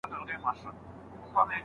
زده کوونکی د سياست مفهوم زده کوي.